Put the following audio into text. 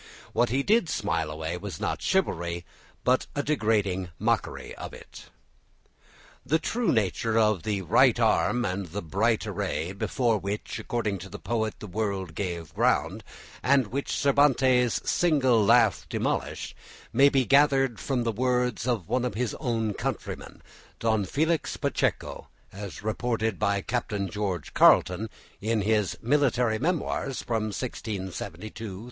What he did smile away was not chivalry but a degrading mockery of it. The true nature of the "right arm" and the "bright array," before which, according to the poet, "the world gave ground," and which Cervantes' single laugh demolished, may be gathered from the words of one of his own countrymen, Don Felix Pacheco, as reported by Captain George Carleton, in his "Military Memoirs from 1672 to 1713."